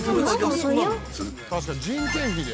確かに人件費で？